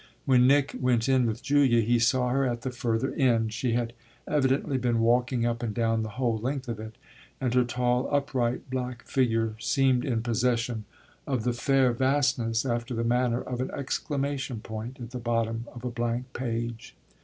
When Nick went in with Julia he saw her at the further end; she had evidently been walking up and down the whole length of it, and her tall, upright, black figure seemed in possession of the fair vastness after the manner of an exclamation point at the bottom of a blank page.